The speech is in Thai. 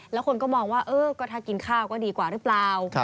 แล้วคนก็มองว่ากินข้าก็ดีกว่าหรือเปล่า